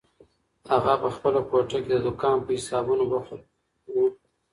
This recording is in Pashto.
اغا په خپله کوټه کې د دوکان په حسابونو بوخت و.